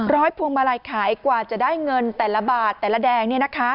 พวงมาลัยขายกว่าจะได้เงินแต่ละบาทแต่ละแดง